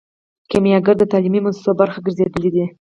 کیمیاګر د تعلیمي موسسو برخه ګرځیدلی دی.